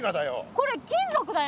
これ金属だよ。